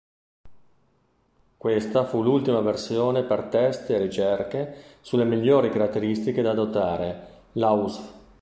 Questa fu l'ultima versione per test e ricerche sulle migliori caratteristiche da adottare: l'Ausf.